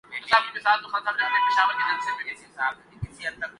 جامنی رنگ استعمال کیا گیا ہے